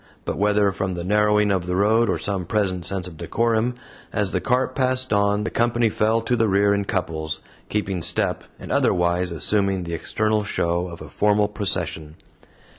But, whether from the narrowing of the road or some present sense of decorum, as the cart passed on, the company fell to the rear in couples, keeping step, and otherwise assuming the external show of a formal procession.